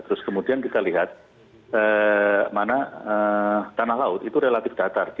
terus kemudian kita lihat mana tanah laut itu relatif datar